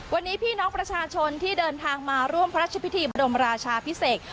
วันนี้พี่น้องประชาชนที่เดินทางมาร่วมพระราชพิธีบรมราชาพิเศษ